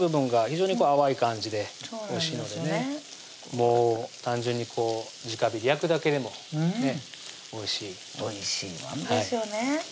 もう単純に直火で焼くだけでもねおいしいおいしいもんですよね